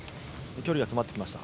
距離は詰まってきました。